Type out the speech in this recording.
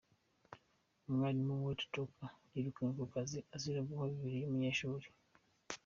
Umwalimu, Walter Tutka yirukanwe ku kazi azira guha bibiliya umunyeshuli.